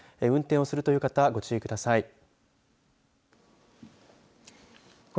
運転をするという方ご注意ください。